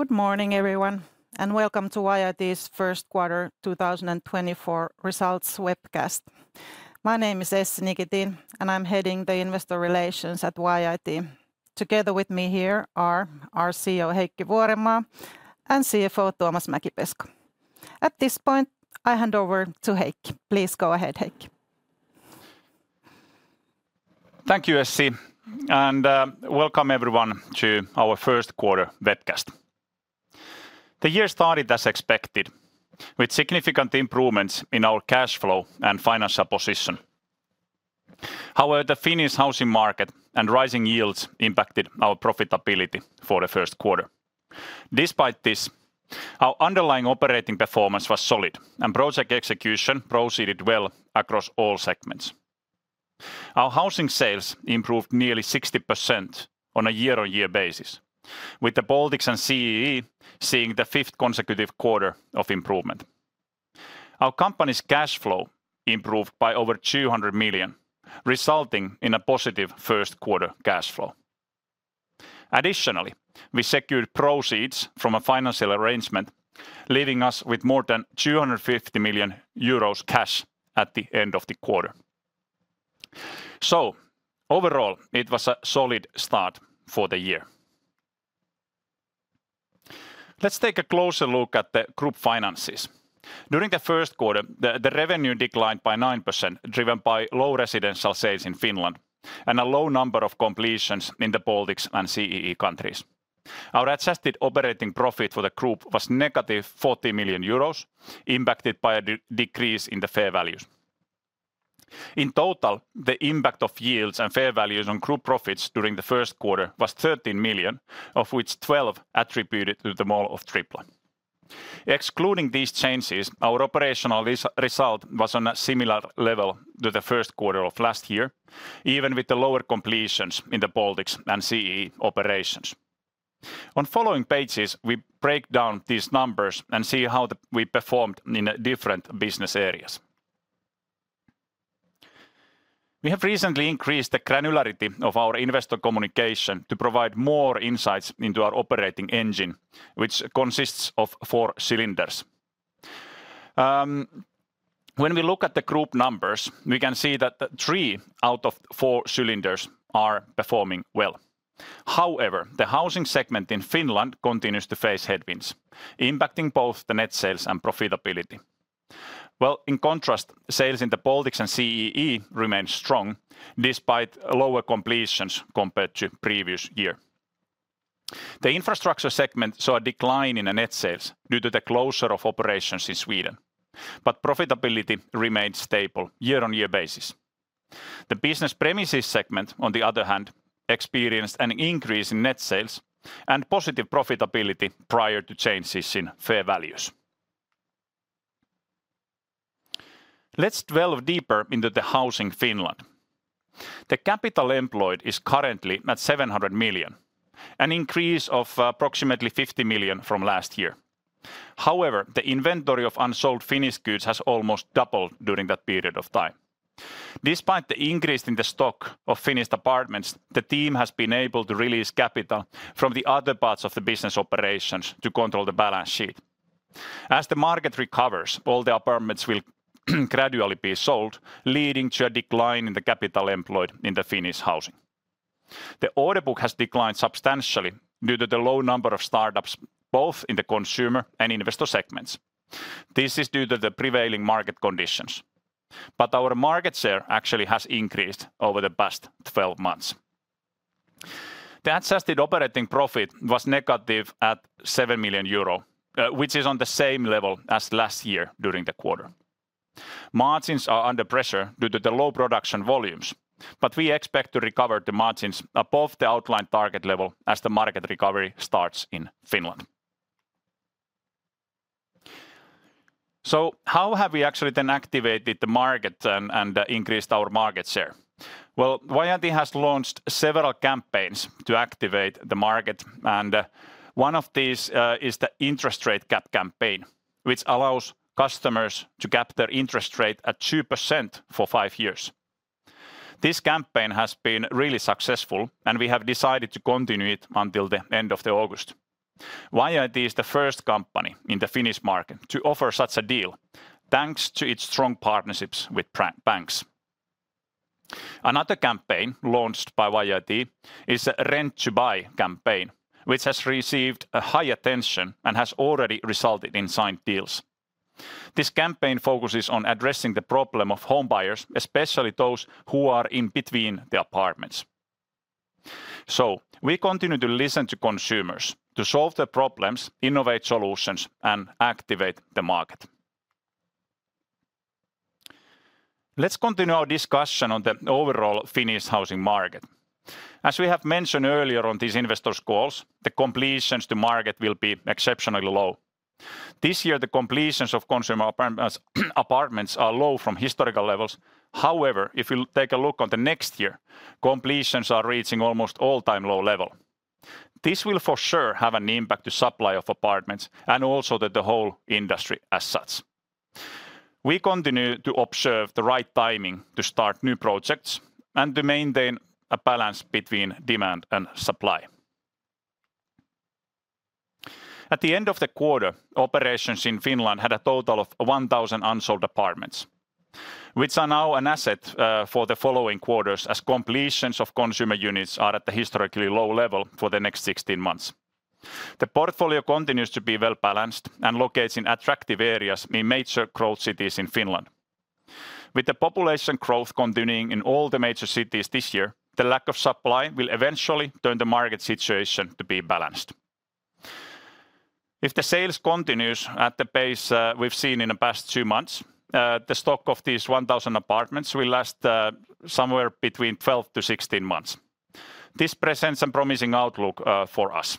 Good morning, everyone, and welcome to YIT's first quarter 2024 results webcast. My name is Essi Nikitin, and I'm heading the Investor Relations at YIT. Together with me here are our CEO Heikki Vuorenmaa and CFO Tuomas Mäkipeska. At this point, I hand over to Heikki. Please go ahead, Heikki. Thank you, Essi. Welcome, everyone, to our first quarter webcast. The year started as expected, with significant improvements in our cash flow and financial position. However, the Finnish housing market and rising yields impacted our profitability for the first quarter. Despite this, our underlying operating performance was solid and project execution proceeded well across all segments. Our housing sales improved nearly 60% on a year-on-year basis, with the Baltics and CEE seeing the fifth consecutive quarter of improvement. Our company's cash flow improved by over 200 million, resulting in a positive first quarter cash flow. Additionally, we secured proceeds from a financial arrangement, leaving us with more than 250 million euros cash at the end of the quarter. Overall, it was a solid start for the year. Let's take a closer look at the group finances. During the first quarter, the revenue declined by 9%, driven by low residential sales in Finland and a low number of completions in the Baltics and CEE countries. Our adjusted operating profit for the group was -40 million euros, impacted by a decrease in the fair values. In total, the impact of yields and fair values on group profits during the first quarter was 13 million, of which 12 million attributed to the Mall of Tripla. Excluding these changes, our operational result was on a similar level to the first quarter of last year, even with the lower completions in the Baltics and CEE operations. On following pages, we break down these numbers and see how we performed in different business areas. We have recently increased the granularity of our investor communication to provide more insights into our operating engine, which consists of four cylinders. When we look at the group numbers, we can see that three out of four cylinders are performing well. However, the housing segment in Finland continues to face headwinds, impacting both the net sales and profitability. In contrast, sales in the Baltics and CEE remain strong despite lower completions compared to the previous year. The infrastructure segment saw a decline in net sales due to the closure of operations in Sweden, but profitability remained stable on a year-on-year basis. The business premises segment, on the other hand, experienced an increase in net sales and positive profitability prior to changes in fair values. Let's delve deeper into the housing in Finland. The capital employed is currently at 700 million, an increase of approximately 50 million from last year. However, the inventory of unsold Finnish goods has almost doubled during that period of time. Despite the increase in the stock of Finnish apartments, the team has been able to release capital from the other parts of the business operations to control the balance sheet. As the market recovers, all the apartments will gradually be sold, leading to a decline in the capital employed in the Finnish housing. The order book has declined substantially due to the low number of startups both in the consumer and investor segments. This is due to the prevailing market conditions. But our market share actually has increased over the past 12 months. The adjusted operating profit was negative at 7 million euro, which is on the same level as last year during the quarter. Margins are under pressure due to the low production volumes, but we expect to recover the margins above the outlined target level as the market recovery starts in Finland. So how have we actually then activated the market and increased our market share? Well, YIT has launched several campaigns to activate the market. One of these is the Interest Rate Cap campaign, which allows customers to cap their interest rate at 2% for five years. This campaign has been really successful, and we have decided to continue it until the end of August. YIT is the first company in the Finnish market to offer such a deal thanks to its strong partnerships with banks. Another campaign launched by YIT is the Rent to Buy campaign, which has received high attention and has already resulted in signed deals. This campaign focuses on addressing the problem of home buyers, especially those who are in between the apartments. So we continue to listen to consumers to solve their problems, innovate solutions, and activate the market. Let's continue our discussion on the overall Finnish housing market. As we have mentioned earlier on these investor calls, the completions to market will be exceptionally low. This year, the completions of consumer apartments are low from historical levels. However, if you take a look on the next year, completions are reaching almost all-time low levels. This will for sure have an impact on the supply of apartments and also on the whole industry as such. We continue to observe the right timing to start new projects and to maintain a balance between demand and supply. At the end of the quarter, operations in Finland had a total of 1,000 unsold apartments, which are now an asset for the following quarters as completions of consumer units are at the historically low level for the next 16 months. The portfolio continues to be well-balanced and locates in attractive areas in major growth cities in Finland. With the population growth continuing in all the major cities this year, the lack of supply will eventually turn the market situation to be balanced. If the sales continue at the pace we've seen in the past 2 months, the stock of these 1,000 apartments will last somewhere between 12-16 months. This presents a promising outlook for us.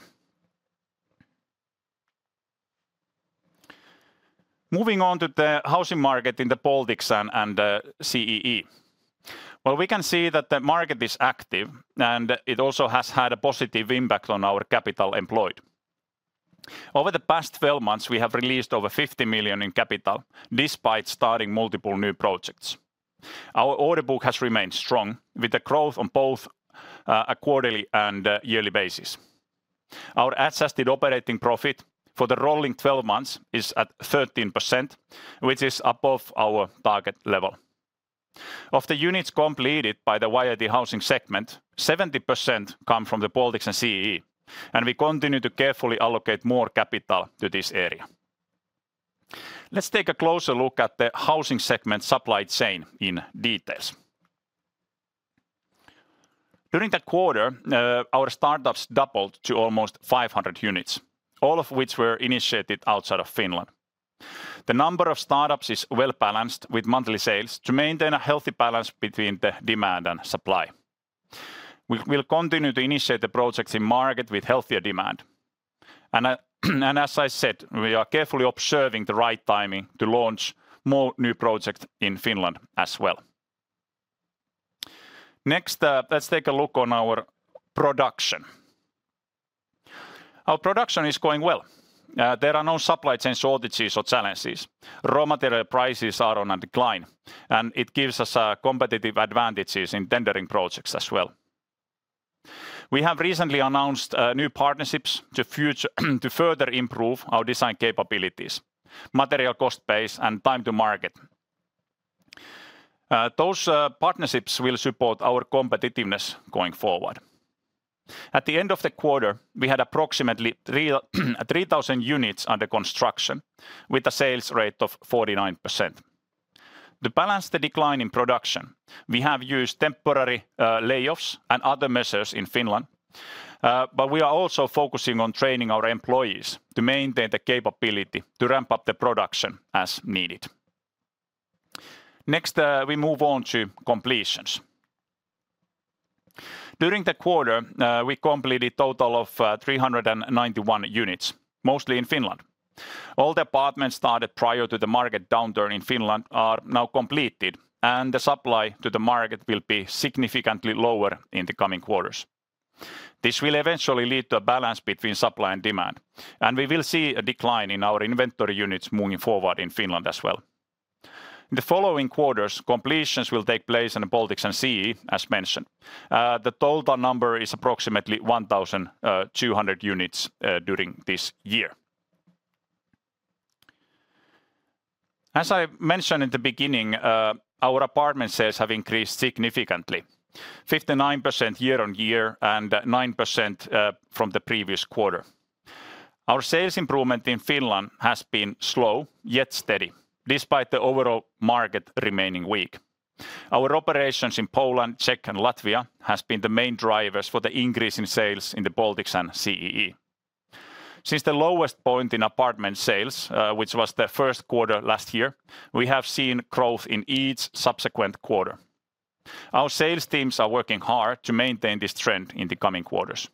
Moving on to the housing market in the Baltics and CEE, we can see that the market is active, and it also has had a positive impact on our capital employed. Over the past 12 months, we have released over 50 million in capital despite starting multiple new projects. Our order book has remained strong with the growth on both a quarterly and yearly basis. Our adjusted operating profit for the rolling 12 months is at 13%, which is above our target level. Of the units completed by the YIT housing segment, 70% come from the Baltics and CEE, and we continue to carefully allocate more capital to this area. Let's take a closer look at the housing segment supply chain in detail. During that quarter, our startups doubled to almost 500 units, all of which were initiated outside of Finland. The number of startups is well-balanced with monthly sales to maintain a healthy balance between the demand and supply. We will continue to initiate the projects in market with healthier demand. As I said, we are carefully observing the right timing to launch more new projects in Finland as well. Next, let's take a look on our production. Our production is going well. There are no supply chain shortages or challenges. Raw material prices are on a decline, and it gives us competitive advantages in tendering projects as well. We have recently announced new partnerships to further improve our design capabilities, material cost base, and time to market. Those partnerships will support our competitiveness going forward. At the end of the quarter, we had approximately 3,000 units under construction with a sales rate of 49%. To balance the decline in production, we have used temporary layoffs and other measures in Finland. But we are also focusing on training our employees to maintain the capability to ramp up the production as needed. Next, we move on to completions. During the quarter, we completed a total of 391 units, mostly in Finland. All the apartments started prior to the market downturn in Finland are now completed, and the supply to the market will be significantly lower in the coming quarters. This will eventually lead to a balance between supply and demand, and we will see a decline in our inventory units moving forward in Finland as well. In the following quarters, completions will take place in the Baltics and CEE, as mentioned. The total number is approximately 1,200 units during this year. As I mentioned in the beginning, our apartment sales have increased significantly, 59% year-on-year and 9% from the previous quarter. Our sales improvement in Finland has been slow yet steady despite the overall market remaining weak. Our operations in Poland, Czechia, and Latvia have been the main drivers for the increase in sales in the Baltics and CEE. Since the lowest point in apartment sales, which was the first quarter last year, we have seen growth in each subsequent quarter. Our sales teams are working hard to maintain this trend in the coming quarters.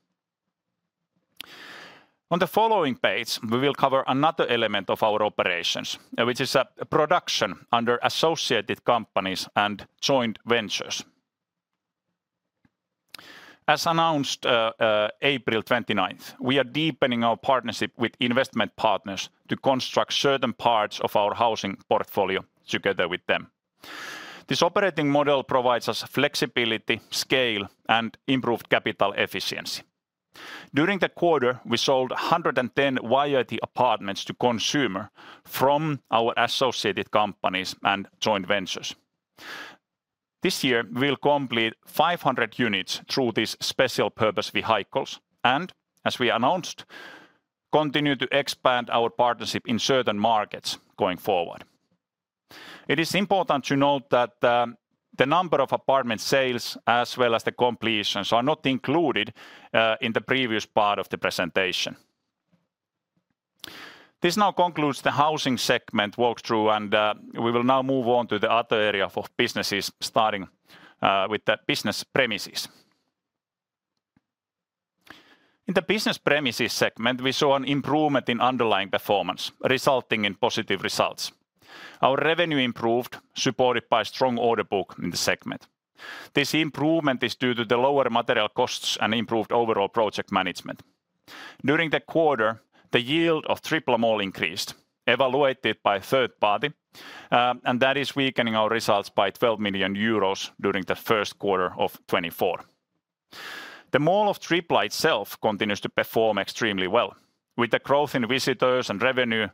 On the following page, we will cover another element of our operations, which is production under associated companies and joint ventures. As announced on April 29th, we are deepening our partnership with investment partners to construct certain parts of our housing portfolio together with them. This operating model provides us flexibility, scale, and improved capital efficiency. During the quarter, we sold 110 YIT apartments to consumers from our associated companies and joint ventures. This year, we will complete 500 units through these special purpose vehicles and, as we announced, continue to expand our partnership in certain markets going forward. It is important to note that the number of apartment sales as well as the completions are not included in the previous part of the presentation. This now concludes the housing segment walkthrough, and we will now move on to the other area of businesses starting with the business premises. In the business premises segment, we saw an improvement in underlying performance resulting in positive results. Our revenue improved, supported by a strong order book in the segment. This improvement is due to the lower material costs and improved overall project management. During the quarter, the yield of the Mall of Tripla increased, evaluated by a third party, and that is weakening our results by 12 million euros during the first quarter of 2024. The Mall of Tripla itself continues to perform extremely well with the growth in visitors and revenue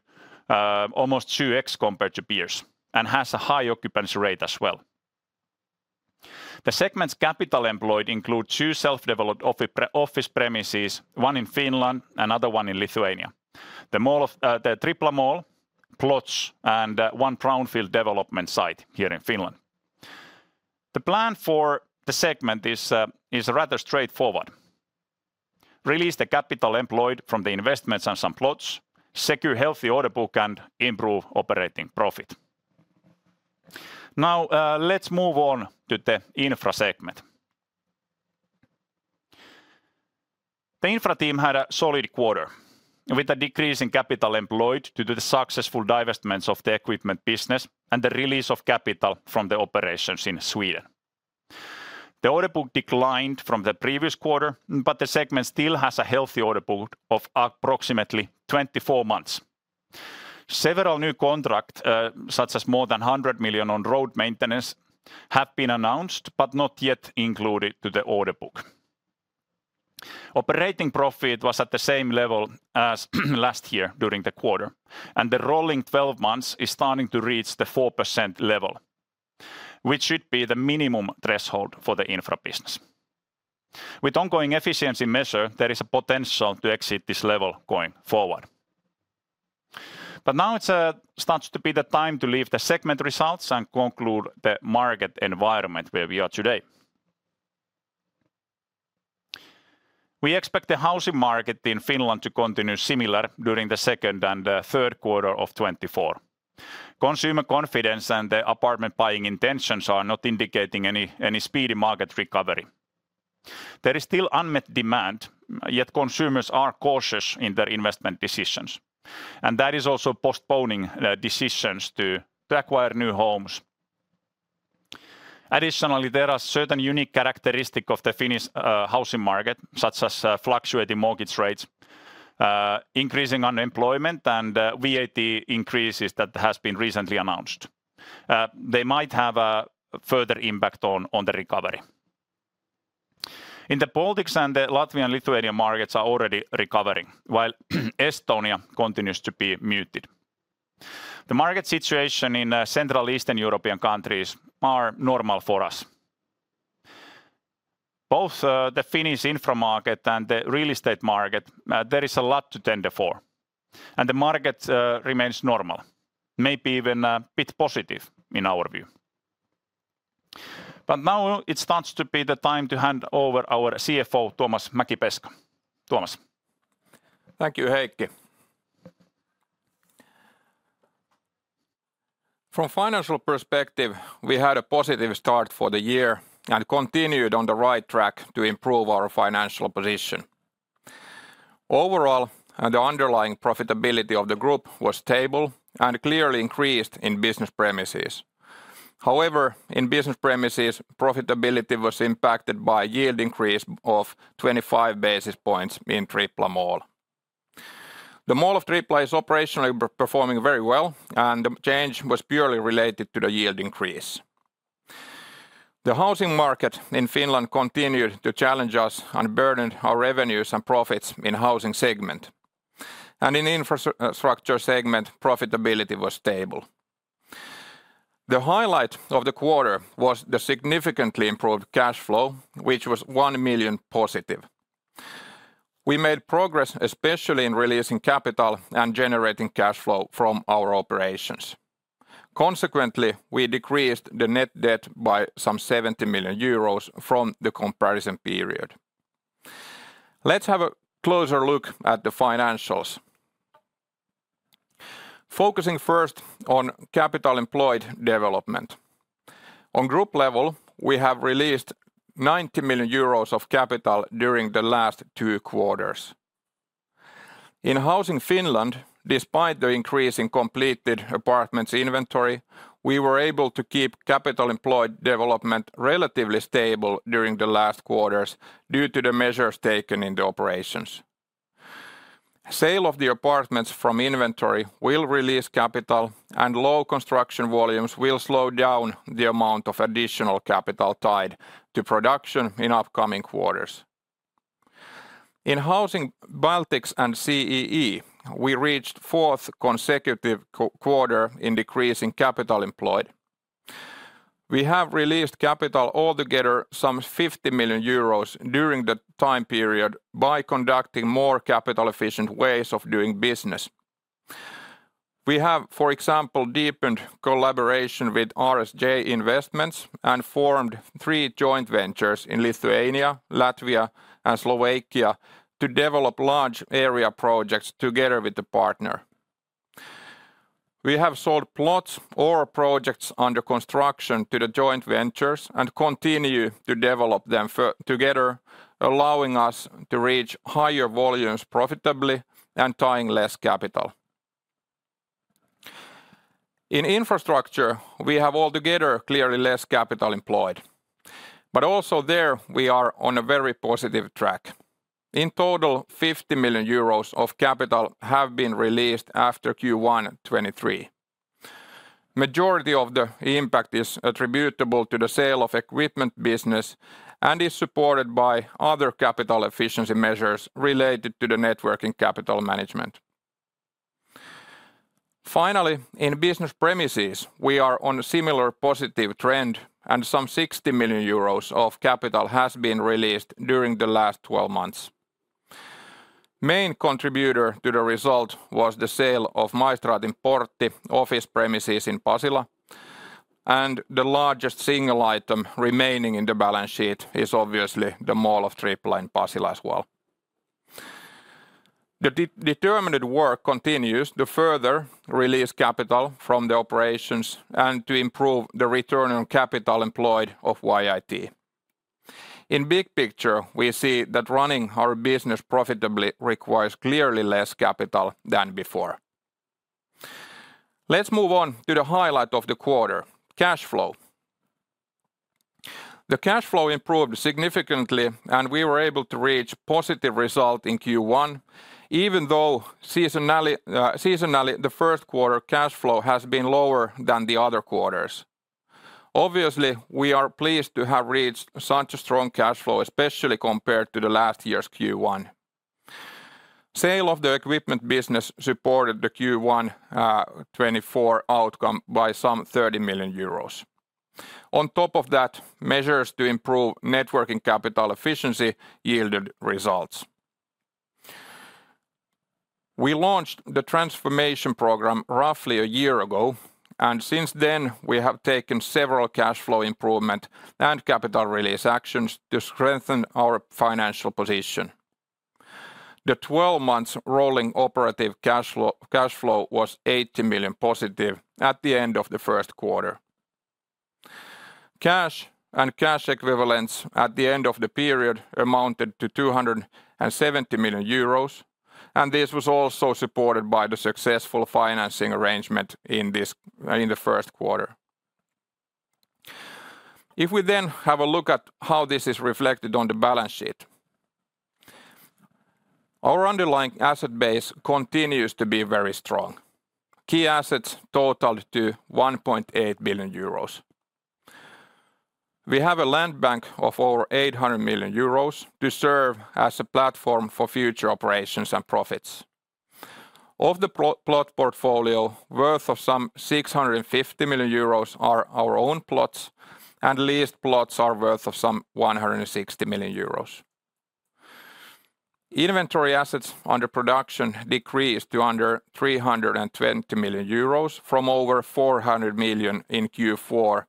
almost 2x compared to peers and has a high occupancy rate as well. The segment's capital employed includes two self-developed office premises, one in Finland and another one in Lithuania: the Mall of Tripla, plots, and one brownfield development site here in Finland. The plan for the segment is rather straightforward: release the capital employed from the investments and some plots, secure a healthy order book, and improve operating profit. Now, let's move on to the infra segment. The infra team had a solid quarter with a decrease in capital employed due to the successful divestments of the equipment business and the release of capital from the operations in Sweden. The order book declined from the previous quarter, but the segment still has a healthy order book of approximately 24 months. Several new contracts, such as more than 100 million on road maintenance, have been announced but not yet included in the order book. Operating profit was at the same level as last year during the quarter, and the rolling 12 months is starting to reach the 4% level, which should be the minimum threshold for the infra business. With ongoing efficiency measures, there is a potential to exceed this level going forward. But now it starts to be the time to leave the segment results and conclude the market environment where we are today. We expect the housing market in Finland to continue similar during the second and third quarter of 2024. Consumer confidence and the apartment buying intentions are not indicating any speedy market recovery. There is still unmet demand, yet consumers are cautious in their investment decisions, and that is also postponing decisions to acquire new homes. Additionally, there are certain unique characteristics of the Finnish housing market, such as fluctuating mortgage rates, increasing unemployment, and VAT increases that have been recently announced. They might have a further impact on the recovery. In the Baltics and the Latvian-Lithuanian markets are already recovering, while Estonia continues to be muted. The market situation in Central and Eastern European countries is normal for us. Both the Finnish infra market and the real estate market, there is a lot to tender for, and the market remains normal, maybe even a bit positive in our view. But now it starts to be the time to hand over to our CFO, Tuomas Mäkipeska. Thank you, Heikki. From a financial perspective, we had a positive start for the year and continued on the right track to improve our financial position. Overall, the underlying profitability of the group was stable and clearly increased in business premises. However, in business premises, profitability was impacted by a yield increase of 25 basis points in Mall of Tripla. The Mall of Tripla is operationally performing very well, and the change was purely related to the yield increase. The housing market in Finland continued to challenge us and burdened our revenues and profits in the housing segment. In the infrastructure segment, profitability was stable. The highlight of the quarter was the significantly improved cash flow, which was 1 million positive. We made progress, especially in releasing capital and generating cash flow from our operations. Consequently, we decreased the net debt by some 70 million euros from the comparison period. Let's have a closer look at the financials, focusing first on capital employed development. On group level, we have released 90 million euros of capital during the last two quarters. In Housing Finland, despite the increase in completed apartments inventory, we were able to keep capital employed development relatively stable during the last quarters due to the measures taken in the operations. The sale of the apartments from inventory will release capital, and low construction volumes will slow down the amount of additional capital tied to production in upcoming quarters. In Housing Baltics and CEE, we reached the fourth consecutive quarter in decreasing capital employed. We have released capital altogether, some 50 million euros, during the time period by conducting more capital-efficient ways of doing business. We have, for example, deepened collaboration with RSJ Investments and formed three joint ventures in Lithuania, Latvia, and Slovakia to develop large area projects together with the partner. We have sold plots or projects under construction to the joint ventures and continue to develop them together, allowing us to reach higher volumes profitably and tying less capital. In infrastructure, we have altogether clearly less capital employed, but also there we are on a very positive track. In total, 50 million euros of capital have been released after Q1 2023. The majority of the impact is attributable to the sale of equipment business and is supported by other capital efficiency measures related to the working capital management. Finally, in business premises, we are on a similar positive trend, and some 60 million euros of capital has been released during the last 12 months. The main contributor to the result was the sale of Maistraatinportti office premises in Pasila, and the largest single item remaining in the balance sheet is obviously the Mall of Tripla in Pasila as well. The determined work continues to further release capital from the operations and to improve the return on capital employed of YIT. In the big picture, we see that running our business profitably requires clearly less capital than before. Let's move on to the highlight of the quarter: cash flow. The cash flow improved significantly, and we were able to reach a positive result in Q1, even though seasonally the first quarter cash flow has been lower than the other quarters. Obviously, we are pleased to have reached such a strong cash flow, especially compared to last year's Q1. The sale of the equipment business supported the Q1 2024 outcome by some 30 million euros. On top of that, measures to improve working capital efficiency yielded results. We launched the transformation program roughly a year ago, and since then we have taken several cash flow improvement and capital release actions to strengthen our financial position. The 12-month rolling operating cash flow was 80 million positive at the end of the first quarter. Cash and cash equivalents at the end of the period amounted to 270 million euros, and this was also supported by the successful financing arrangement in the first quarter. If we then have a look at how this is reflected on the balance sheet, our underlying asset base continues to be very strong: key assets totaled to 1.8 billion euros. We have a land bank of over 800 million euros to serve as a platform for future operations and profits. Of the plot portfolio, worth of some 650 million euros are our own plots, and leased plots are worth of some 160 million euros. Inventory assets under production decreased to under 320 million euros from over 400 million in Q4,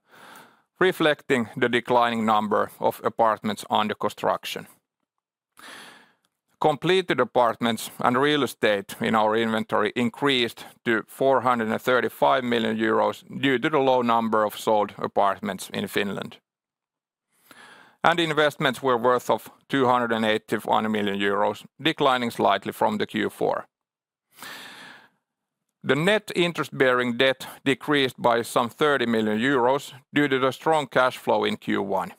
reflecting the declining number of apartments under construction. Completed apartments and real estate in our inventory increased to 435 million euros due to the low number of sold apartments in Finland. Investments were worth 281 million euros, declining slightly from Q4. The net interest-bearing debt decreased by some 30 million euros due to the strong cash flow in Q1.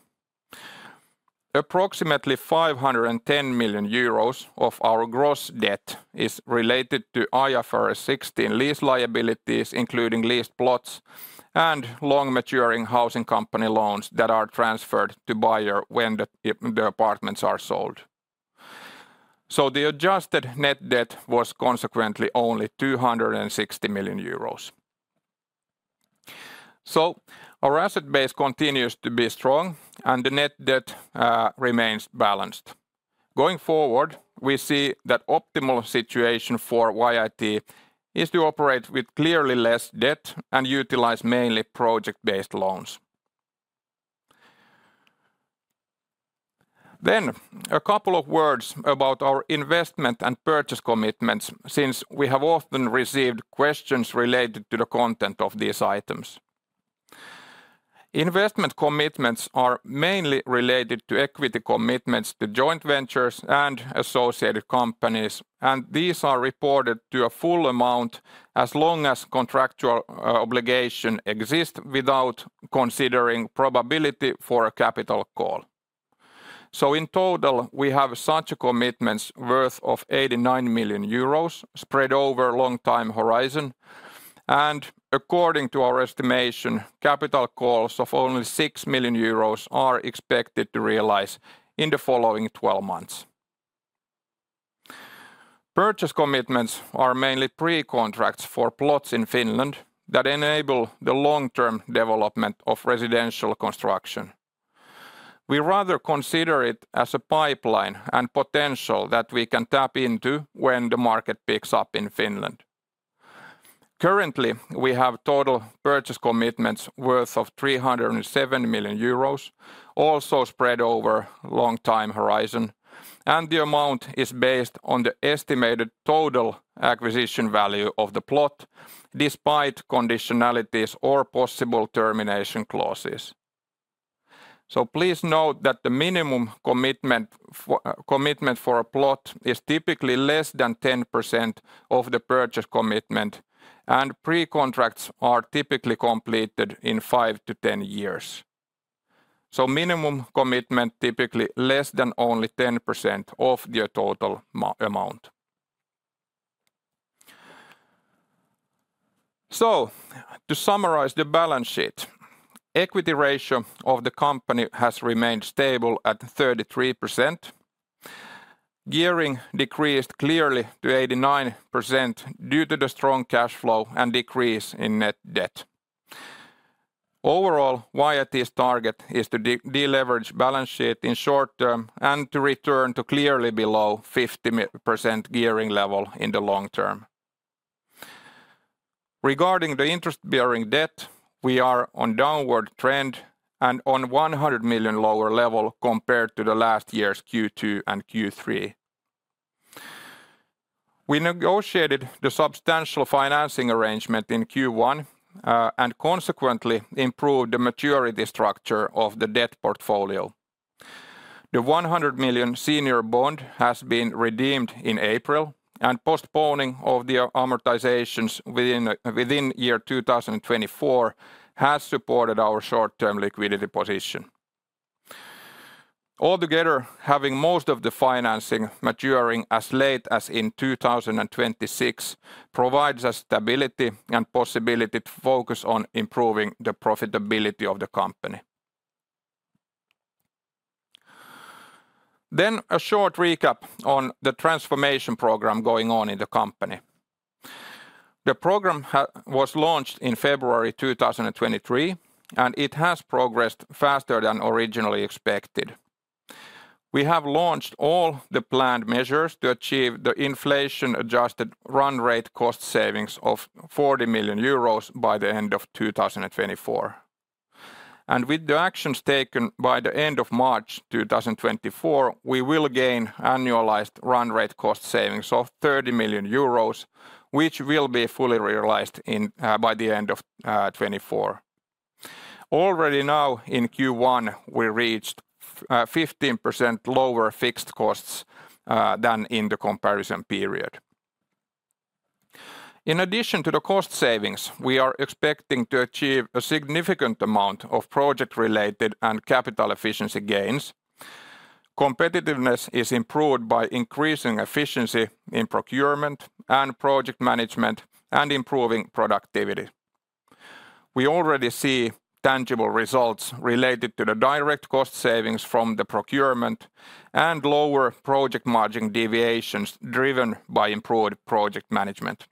Approximately 510 million euros of our gross debt is related to IFRS 16 lease liabilities, including leased plots and long-maturing housing company loans that are transferred to the buyer when the apartments are sold. The adjusted net debt was consequently only 260 million euros. Our asset base continues to be strong, and the net debt remains balanced. Going forward, we see that the optimal situation for YIT is to operate with clearly less debt and utilize mainly project-based loans. A couple of words about our investment and purchase commitments since we have often received questions related to the content of these items. Investment commitments are mainly related to equity commitments to joint ventures and associated companies, and these are reported to a full amount as long as contractual obligations exist without considering the probability for a capital call. So in total, we have such commitments worth 89 million euros spread over a long time horizon, and according to our estimation, capital calls of only 6 million euros are expected to realize in the following 12 months. Purchase commitments are mainly pre-contracts for plots in Finland that enable the long-term development of residential construction. We rather consider it as a pipeline and potential that we can tap into when the market picks up in Finland. Currently, we have total purchase commitments worth 307 million euros, also spread over a long time horizon, and the amount is based on the estimated total acquisition value of the plot despite conditionalities or possible termination clauses. So please note that the minimum commitment for a plot is typically less than 10% of the purchase commitment, and pre-contracts are typically completed in 5-10 years. So minimum commitment is typically less than only 10% of the total amount. So to summarize the balance sheet, the equity ratio of the company has remained stable at 33%. Gearing decreased clearly to 89% due to the strong cash flow and decrease in net debt. Overall, YIT's target is to deleverage the balance sheet in the short term and to return to clearly below the 50% gearing level in the long term. Regarding the interest-bearing debt, we are on a downward trend and on a 100 million lower level compared to last year's Q2 and Q3. We negotiated the substantial financing arrangement in Q1 and consequently improved the maturity structure of the debt portfolio. The 100 million senior bond has been redeemed in April, and postponing of the amortizations within the year 2024 has supported our short-term liquidity position. Altogether, having most of the financing maturing as late as in 2026 provides us stability and the possibility to focus on improving the profitability of the company. Then, a short recap on the transformation program going on in the company. The program was launched in February 2023, and it has progressed faster than originally expected. We have launched all the planned measures to achieve the inflation-adjusted run-rate cost savings of 40 million euros by the end of 2024. With the actions taken by the end of March 2024, we will gain annualized run-rate cost savings of 30 million euros, which will be fully realized by the end of 2024. Already now in Q1, we reached 15% lower fixed costs than in the comparison period. In addition to the cost savings, we are expecting to achieve a significant amount of project-related and capital efficiency gains. Competitiveness is improved by increasing efficiency in procurement and project management and improving productivity. We already see tangible results related to the direct cost savings from the procurement and lower project margin deviations driven by improved project management.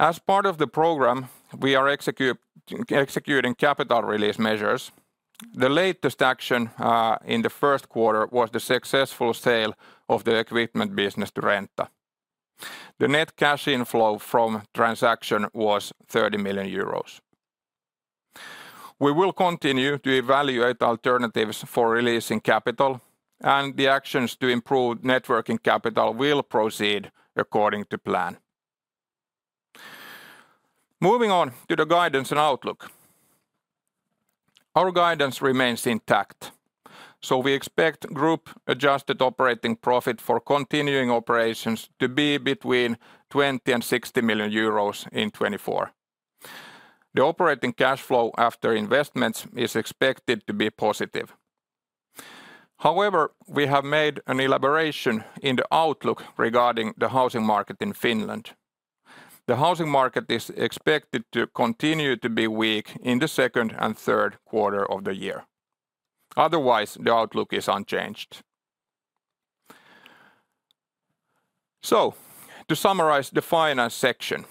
As part of the program, we are executing capital release measures. The latest action in the first quarter was the successful sale of the equipment business to Rentta. The net cash inflow from the transaction was 30 million euros. We will continue to evaluate alternatives for releasing capital, and the actions to improve working capital will proceed according to plan. Moving on to the guidance and outlook. Our guidance remains intact. So we expect group-adjusted operating profit for continuing operations to be between 20 million and 60 million euros in 2024. The operating cash flow after investments is expected to be positive. However, we have made an elaboration in the outlook regarding the housing market in Finland. The housing market is expected to continue to be weak in the second and third quarters of the year. Otherwise, the outlook is unchanged. So to summarize the finance section,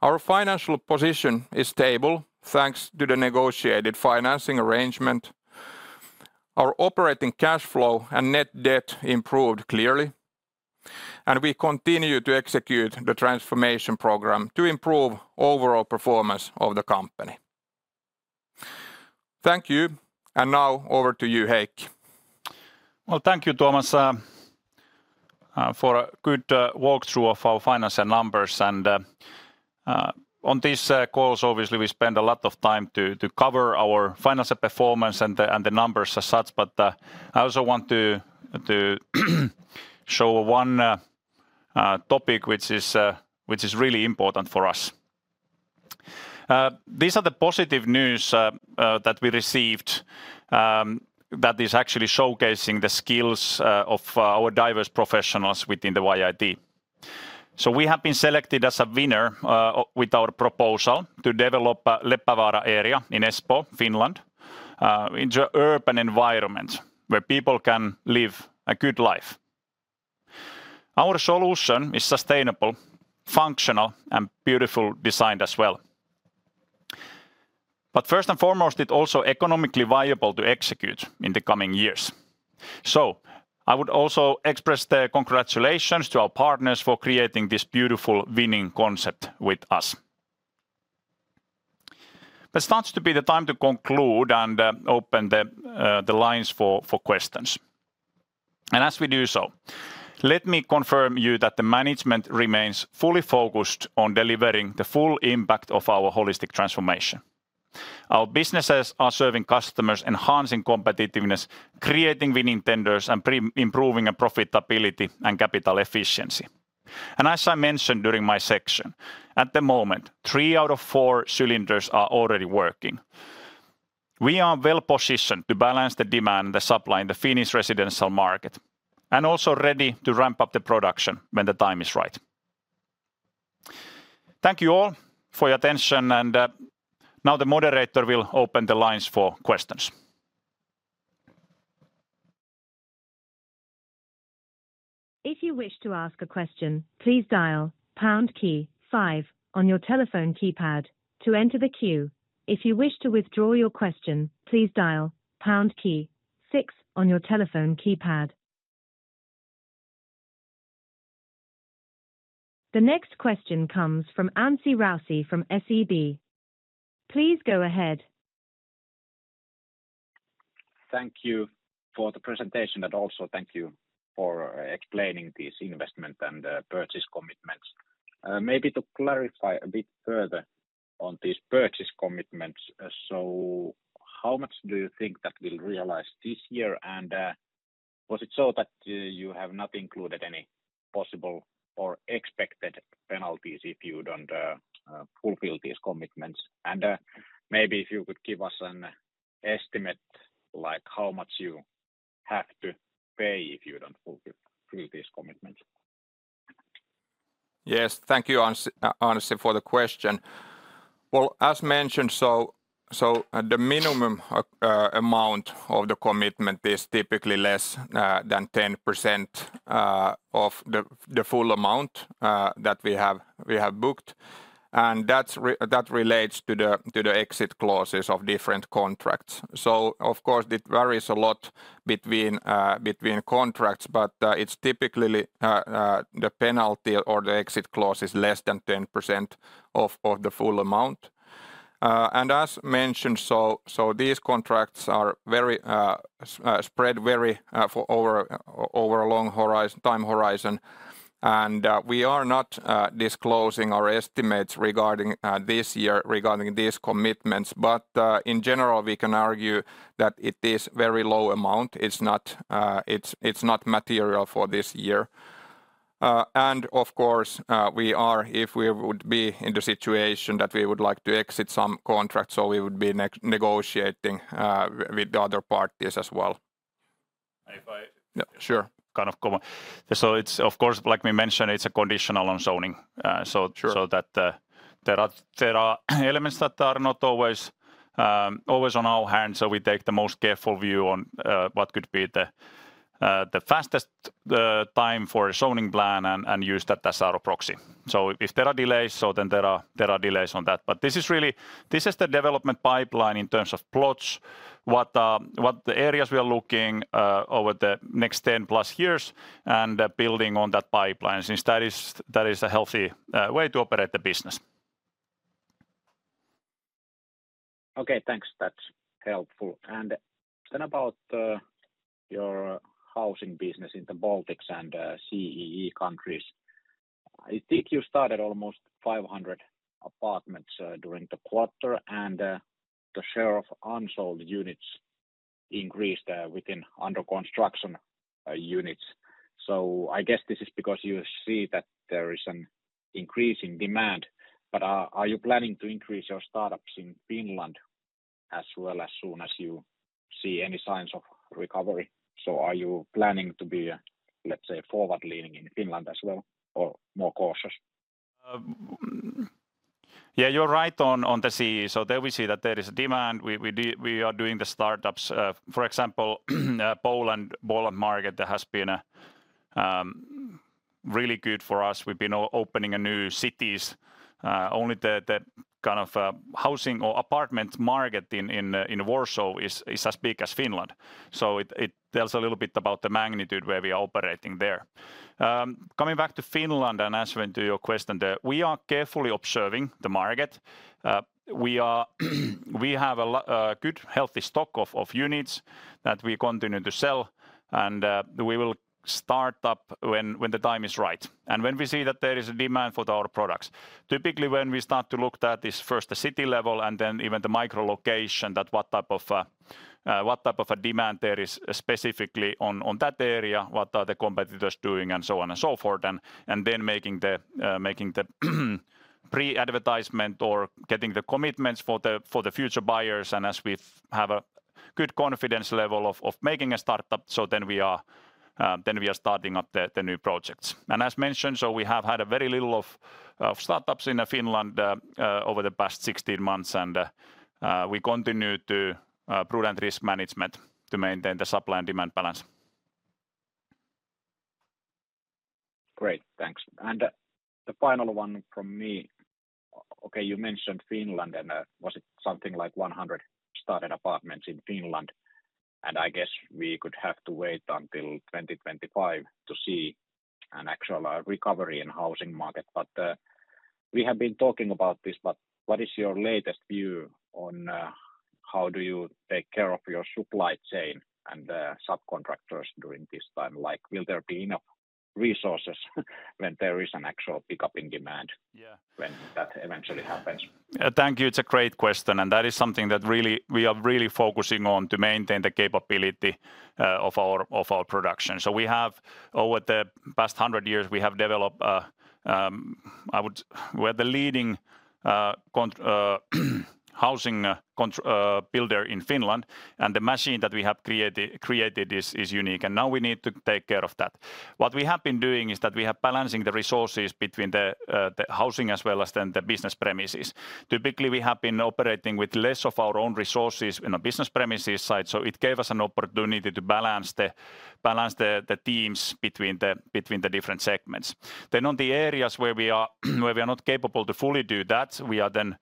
our financial position is stable thanks to the negotiated financing arrangement. Our operating cash flow and net debt improved clearly, and we continue to execute the transformation program to improve the overall performance of the company. Thank you, and now over to you, Heikki. Well, thank you, Tuomas, for a good walkthrough of our finance and numbers. On these calls, obviously, we spend a lot of time to cover our finance and performance and the numbers as such, but I also want to show one topic, which is really important for us. These are the positive news that we received that is actually showcasing the skills of our diverse professionals within YIT. So we have been selected as a winner with our proposal to develop a Leppävaara area in Espoo, Finland, into an urban environment where people can live a good life. Our solution is sustainable, functional, and beautifully designed as well. But first and foremost, it is also economically viable to execute in the coming years. So I would also express the congratulations to our partners for creating this beautiful winning concept with us. But it starts to be the time to conclude and open the lines for questions. And as we do so, let me confirm to you that the management remains fully focused on delivering the full impact of our holistic transformation. Our businesses are serving customers, enhancing competitiveness, creating winning tenders, and improving profitability and capital efficiency. And as I mentioned during my section, at the moment, three out of four cylinders are already working. We are well positioned to balance the demand and the supply in the Finnish residential market and also ready to ramp up the production when the time is right. Thank you all for your attention, and now the moderator will open the lines for questions. If you wish to ask a question, please dial the pound key 5 on your telephone keypad to enter the queue. If you wish to withdraw your question, please dial the pound key 6 on your telephone keypad. The next question comes from Anssi Rausi from SEB. Please go ahead. Thank you for the presentation, and also thank you for explaining these investment and purchase commitments. Maybe to clarify a bit further on these purchase commitments, so how much do you think that will be realized this year? And was it so that you have not included any possible or expected penalties if you don't fulfill these commitments? And maybe if you could give us an estimate, like how much you have to pay if you don't fulfill these commitments? Yes, thank you, Anssi, for the question. Well, as mentioned, so the minimum amount of the commitment is typically less than 10% of the full amount that we have booked. And that relates to the exit clauses of different contracts. Of course, it varies a lot between contracts, but it's typically the penalty or the exit clause is less than 10% of the full amount. As mentioned, these contracts spread very over a long time horizon. We are not disclosing our estimates regarding this year regarding these commitments, but in general, we can argue that it is a very low amount. It's not material for this year. Of course, if we would be in the situation that we would like to exit some contracts, we would be negotiating with the other parties as well. Sure. Kind of common. It's, of course, like we mentioned, a conditional on zoning. So there are elements that are not always on our hands, so we take the most careful view on what could be the fastest time for a zoning plan and use that as our proxy. So if there are delays, so then there are delays on that. But this is really—this is the development pipeline in terms of plots, what the areas we are looking at over the next 10+ years, and building on that pipeline. Since that is a healthy way to operate the business. Okay, thanks. That's helpful. And then about your housing business in the Baltics and CEE countries. I think you started almost 500 apartments during the quarter, and the share of unsold units increased within under-construction units. So I guess this is because you see that there is an increasing demand. But are you planning to increase your startups in Finland as well as soon as you see any signs of recovery? So are you planning to be, let's say, forward-leaning in Finland as well or more cautious? Yeah, you're right on the CEE. So there we see that there is a demand. We are doing the startups. For example, the Poland market has been really good for us. We've been opening new cities. Only the kind of housing or apartment market in Warsaw is as big as Finland. So it tells a little bit about the magnitude where we are operating there. Coming back to Finland and answering to your question, we are carefully observing the market. We have a good, healthy stock of units that we continue to sell, and we will start up when the time is right and when we see that there is a demand for our products. Typically, when we start to look at this first at the city level and then even the micro-location, what type of a demand there is specifically on that area, what are the competitors doing, and so on and so forth, and then making the pre-advertisement or getting the commitments for the future buyers. As we have a good confidence level of making a startup, so then we are starting up the new projects. As mentioned, so we have had a very little of startups in Finland over the past 16 months, and we continue to prudent risk management to maintain the supply and demand balance. Great, thanks. The final one from me. Okay, you mentioned Finland. And was it something like 100 started apartments in Finland? And I guess we could have to wait until 2025 to see an actual recovery in the housing market. But we have been talking about this. But what is your latest view on how do you take care of your supply chain and subcontractors during this time? Like, will there be enough resources when there is an actual pickup in demand when that eventually happens? Thank you. It's a great question, and that is something that we are really focusing on to maintain the capability of our production. So over the past 100 years, we have developed, we are the leading housing builder in Finland, and the machine that we have created is unique. And now we need to take care of that. What we have been doing is that we have been balancing the resources between the housing as well as then the business premises. Typically, we have been operating with less of our own resources in the business premises side, so it gave us an opportunity to balance the teams between the different segments. Then on the areas where we are not capable to fully do that, we are then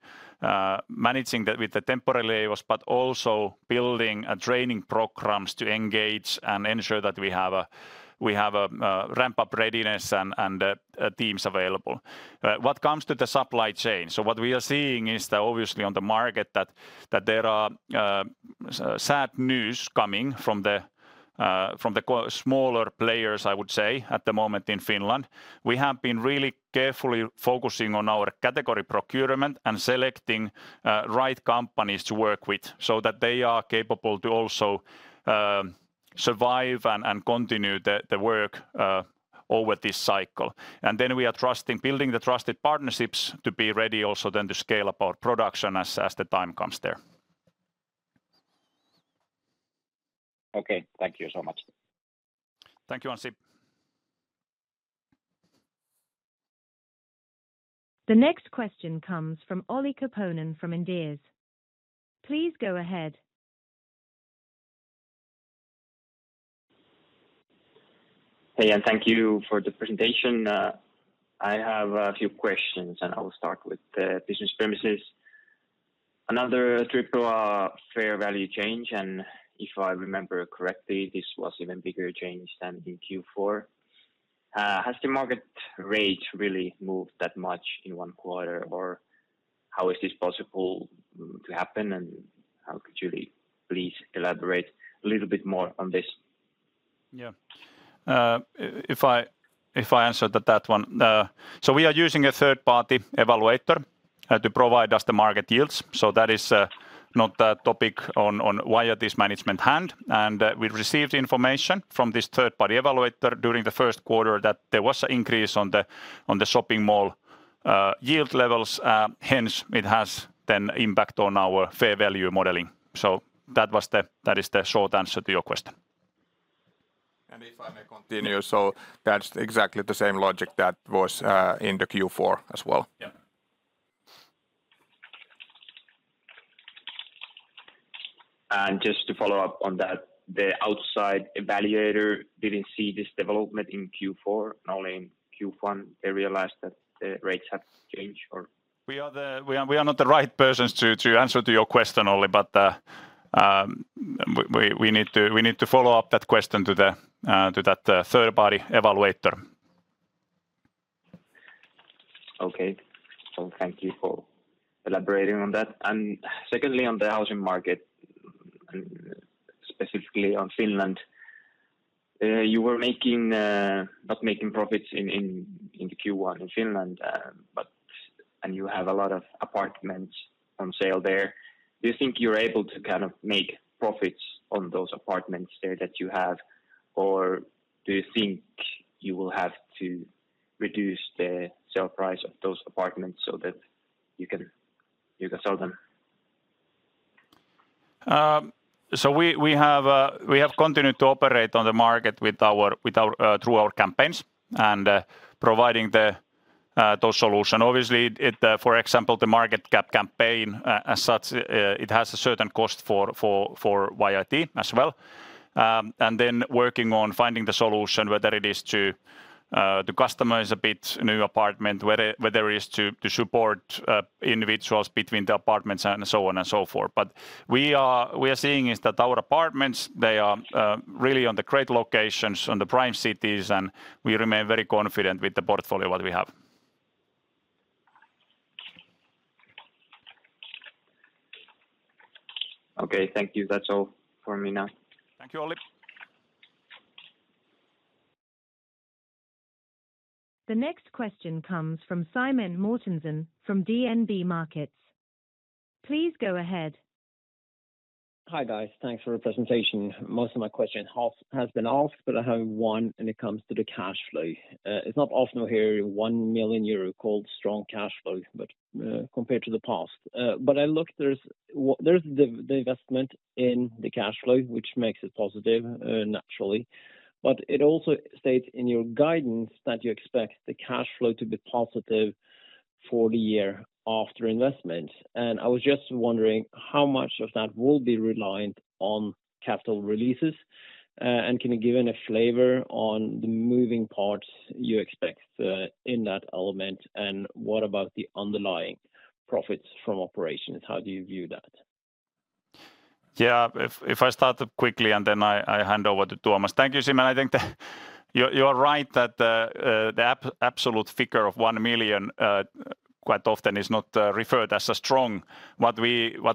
managing that with the temporary layers but also building training programs to engage and ensure that we have a ramp-up readiness and teams available. What comes to the supply chain? So what we are seeing is that obviously on the market that there are sad news coming from the smaller players, I would say, at the moment in Finland. We have been really carefully focusing on our category procurement and selecting the right companies to work with so that they are capable to also survive and continue the work over this cycle. And then we are building the trusted partnerships to be ready also then to scale up our production as the time comes there. Okay, thank you so much. Thank you, Anssi. The next question comes from Olli Koponen from Inderes. Please go ahead. Hey, and thank you for the presentation. I have a few questions, and I will start with the business premises. Another Mall of Tripla fair value change, and if I remember correctly, this was an even bigger change than in Q4. Has the market rate really moved that much in one quarter, or how is this possible to happen? And how could you please elaborate a little bit more on this? Yeah, if I answer that one. So we are using a third-party evaluator to provide us the market yields. So that is not a topic on why at this management hand. And we received information from this third-party evaluator during the first quarter that there was an increase on the shopping mall yield levels. Hence, it has an impact on our fair value modeling. So that is the short answer to your question. And if I may continue, so that's exactly the same logic that was in the Q4 as well. Yeah. And just to follow up on that, the outside evaluator didn't see this development in Q4, and only in Q1 they realized that the rates have changed, or? We are not the right persons to answer to your question, Olli, but we need to follow up that question to that third-party evaluator. Okay, so thank you for elaborating on that. And secondly, on the housing market, specifically on Finland, you were not making profits in the Q1 in Finland, and you have a lot of apartments on sale there. Do you think you're able to kind of make profits on those apartments there that you have, or do you think you will have to reduce the sale price of those apartments so that you can sell them? So we have continued to operate on the market through our campaigns and providing those solutions. Obviously, for example, the Interest Rate Cap campaign as such, it has a certain cost for YIT as well. And then working on finding the solution, whether it is to customize a bit new apartments, whether it is to support individuals between the apartments, and so on and so forth. But what we are seeing is that our apartments, they are really on the great locations, on the prime cities, and we remain very confident with the portfolio that we have. Okay, thank you. That's all for me now. Thank you, Olli. The next question comes from Simen Mortensen from DNB Markets. Please go ahead. Hi guys, thanks for your presentation. Most of my questions have been asked, but I have one, and it comes to the cash flow. It's not often we hear 1 million euro called strong cash flow, but compared to the past. But I looked, there's the investment in the cash flow, which makes it positive, naturally. But it also states in your guidance that you expect the cash flow to be positive for the year after investment. And I was just wondering how much of that will be reliant on capital releases. And can you give a flavor on the moving parts you expect in that element, and what about the underlying profits from operations? How do you view that? Yeah, if I start quickly and then I hand over to Tuomas. Thank you, Simen. I think that you are right that the absolute figure of 1 million quite often is not referred as strong. What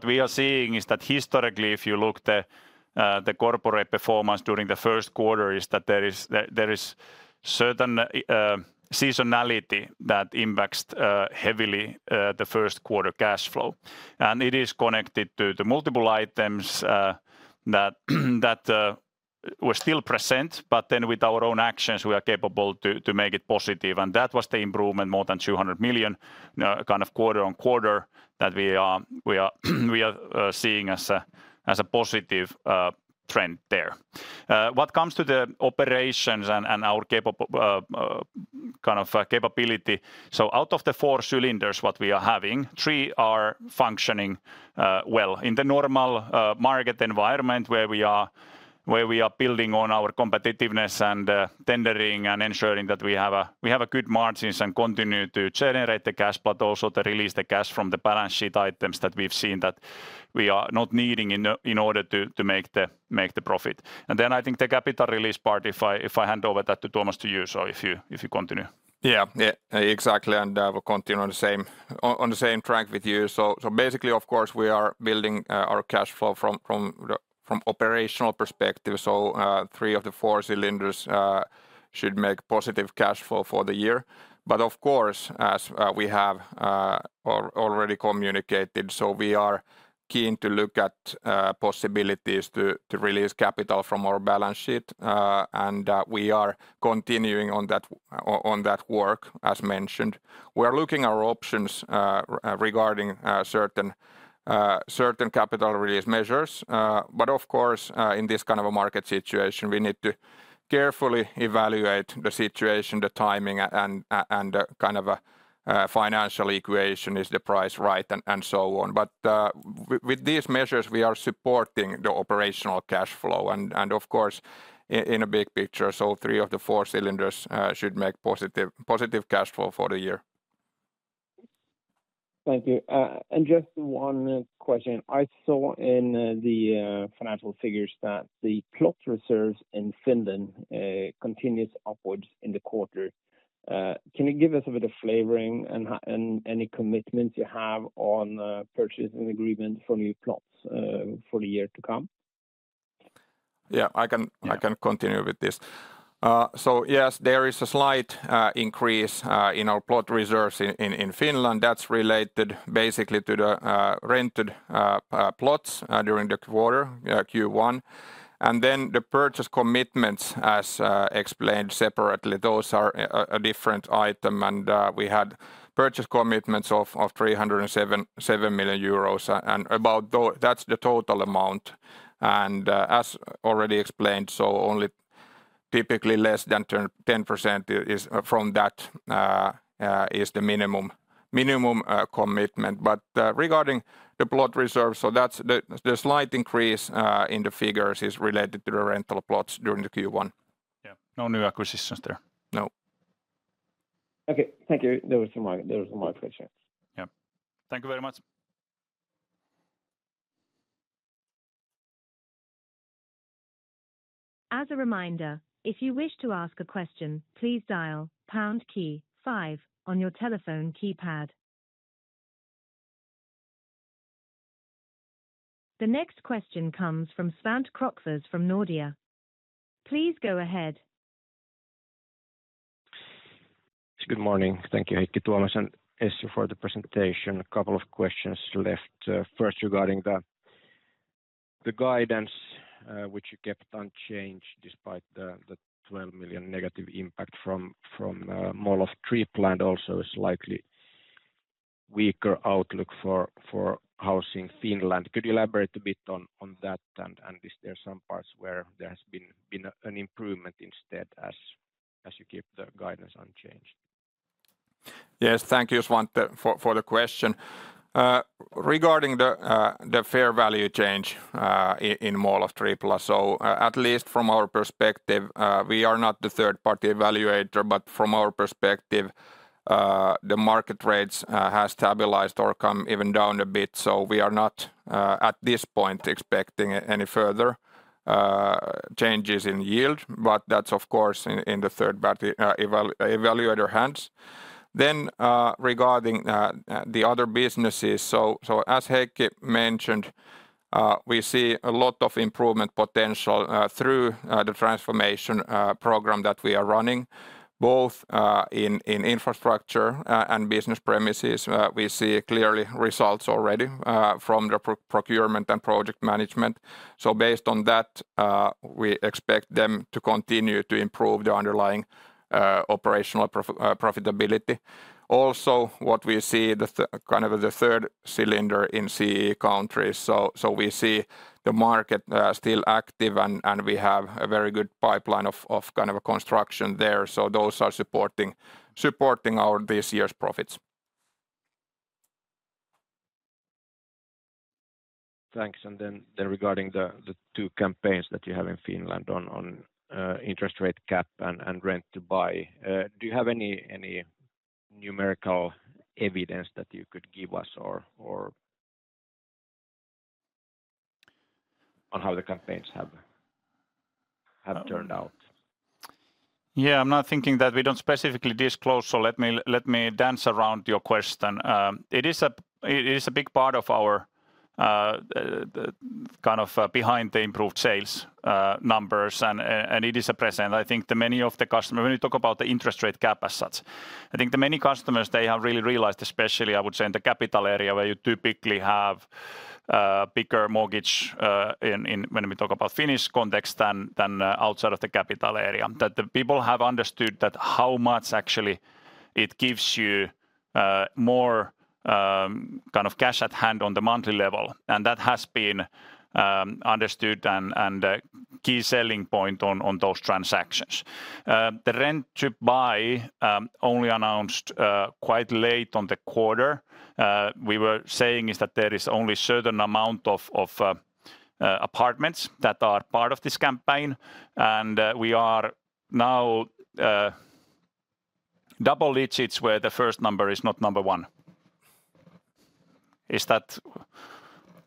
we are seeing is that historically, if you look at the corporate performance during the first quarter, is that there is certain seasonality that impacts heavily the first quarter cash flow. And it is connected to the multiple items that were still present, but then with our own actions, we are capable to make it positive. And that was the improvement, more than 200 million, kind of quarter-on-quarter, that we are seeing as a positive trend there. What comes to the operations and our kind of capability, so out of the four cylinders that we are having, three are functioning well. In the normal market environment where we are building on our competitiveness and tendering and ensuring that we have a good margins and continue to generate the cash, but also to release the cash from the balance sheet items that we've seen that we are not needing in order to make the profit. And then I think the capital release part, if I hand over that to Tuomas to you, so if you continue. Yeah, exactly, and we'll continue on the same track with you. So basically, of course, we are building our cash flow from an operational perspective. So three of the four cylinders should make positive cash flow for the year. But of course, as we have already communicated, so we are keen to look at possibilities to release capital from our balance sheet. And we are continuing on that work, as mentioned. We are looking at our options regarding certain capital release measures. But of course, in this kind of a market situation, we need to carefully evaluate the situation, the timing, and the kind of a financial equation: is the price right, and so on. But with these measures, we are supporting the operational cash flow. And of course, in a big picture, so three of the four cylinders should make positive cash flow for the year. Thank you. And just one question. I saw in the financial figures that the plot reserves in Finland continued upwards in the quarter. Can you give us a bit of flavoring and any commitments you have on purchasing agreements for new plots for the year to come? Yeah, I can continue with this. So yes, there is a slight increase in our plot reserves in Finland. That's related basically to the rented plots during the quarter, Q1. And then the purchase commitments, as explained separately, those are a different item. And we had purchase commitments of 307 million euros. And that's the total amount. And as already explained, so only typically less than 10% is from that, is the minimum commitment. But regarding the plot reserves, so that's the slight increase in the figures is related to the rental plots during the Q1. Yeah, no new acquisitions there. No. Okay, thank you. Those are my questions. Yeah, thank you very much. As a reminder, if you wish to ask a question, please dial pound key five on your telephone keypad. The next question comes from Svante Krokfors from Nordea. Please go ahead. Good morning. Thank you, Heikki Tuomas and Essi for the presentation. A couple of questions left. First, regarding the guidance, which you kept unchanged despite the 12 million negative impact from Mall of Tripla, also a slightly weaker outlook for housing Finland. Could you elaborate a bit on that? And is there some parts where there has been an improvement instead as you keep the guidance unchanged? Yes, thank you, Svante, for the question. Regarding the fair value change in Mall of Tripla, so at least from our perspective, we are not the third-party evaluator, but from our perspective, the market rates have stabilized or come even down a bit. So we are not at this point expecting any further changes in yield. But that's, of course, in the third-party evaluator hands. Then regarding the other businesses, so as Heikki mentioned, we see a lot of improvement potential through the transformation program that we are running, both in infrastructure and business premises. We see clearly results already from the procurement and project management. So based on that, we expect them to continue to improve the underlying operational profitability. Also, what we see is kind of the third cylinder in CE countries. So we see the market still active, and we have a very good pipeline of kind of construction there. So those are supporting our this year's profits. Thanks. And then regarding the two campaigns that you have in Finland on interest rate cap and rent to buy, do you have any numerical evidence that you could give us on how the campaigns have turned out? Yeah, I'm not thinking that we don't specifically disclose, so let me dance around your question. It is a big part of our kind of behind the improved sales numbers, and it is present. I think many of the customers, when we talk about the interest rate cap as such, I think many customers, they have really realized, especially, I would say, in the capital area where you typically have a bigger mortgage when we talk about the Finnish context than outside of the capital area, that the people have understood how much actually it gives you more kind of cash at hand on the monthly level. That has been understood and the key selling point on those transactions. The Rent to Buy only announced quite late on the quarter. We were saying that there is only a certain amount of apartments that are part of this campaign. And we are now double digits where the first number is not number one. Is that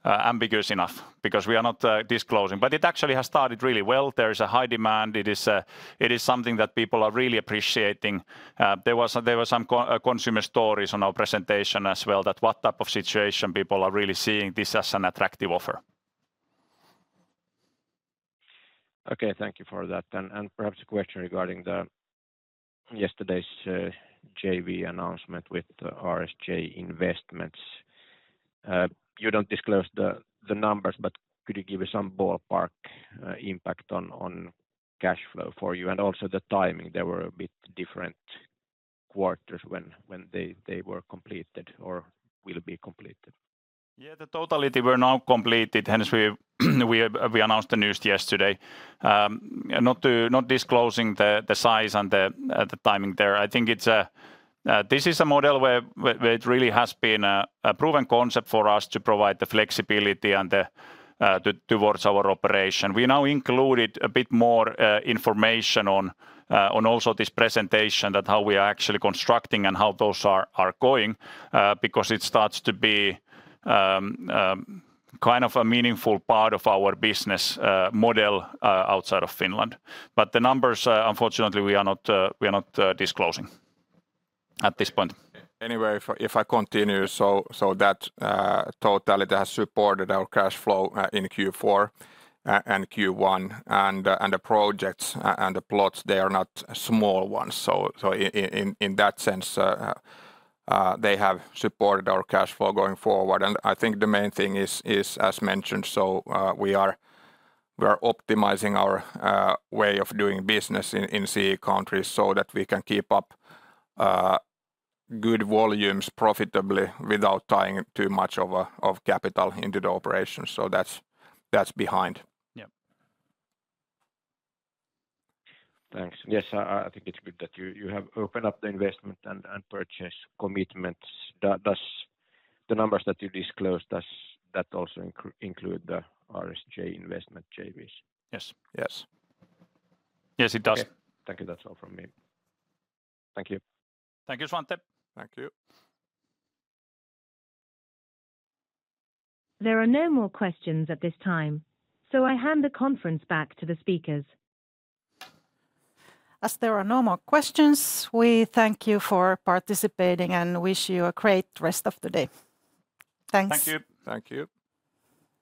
ambiguous enough? Because we are not disclosing. But it actually has started really well. There is a high demand. It is something that people are really appreciating. There were some consumer stories on our presentation as well that what type of situation people are really seeing this as an attractive offer. Okay, thank you for that. Perhaps a question regarding yesterday's JV announcement with RSJ Investments. You don't disclose the numbers, but could you give us some ballpark impact on cash flow for you? And also, the timing—there were a bit different quarters when they were completed or will be completed. Yeah, the totality were now completed. Hence, we announced the news yesterday. Not disclosing the size and the timing there. I think this is a model where it really has been a proven concept for us to provide the flexibility towards our operation. We now included a bit more information on also this presentation that how we are actually constructing and how those are going because it starts to be kind of a meaningful part of our business model outside of Finland. But the numbers, unfortunately, we are not disclosing at this point. Anyway, if I continue, that totality has supported our cash flow in Q4 and Q1. And the projects and the plots, they are not small ones. So in that sense, they have supported our cash flow going forward. I think the main thing is, as mentioned, so we are optimizing our way of doing business in CE countries so that we can keep up good volumes profitably without tying too much of capital into the operations. So that's behind. Yeah. Thanks. Yes, I think it's good that you have opened up the investment and purchase commitments. Do the numbers that you disclosed, does that also include the RSJ Investments JVs? Yes. Yes. Yes, it does. Thank you. That's all from me. Thank you. Thank you, Svante. Thank you. There are no more questions at this time. So I hand the conference back to the speakers. As there are no more questions, we thank you for participating and wish you a great rest of the day. Thanks. Thank you. Thank you.